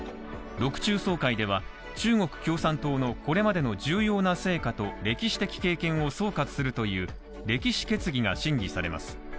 ６中総会では、中国共産党のこれまでの重要な成果と歴史的経験を総括するという歴史決議が審議されます。